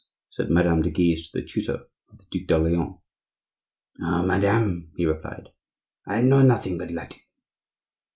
said Madame de Guise to the tutor of the Duc d'Orleans. "Ah, madame," he replied, "I know nothing but Latin."